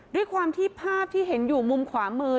ด้วยความที่ภาพที่เห็นอยู่มุมขวามือ